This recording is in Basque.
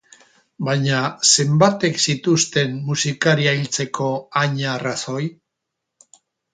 Baina, zenbatek zituzten musikaria hiltzeko haina arrazoi?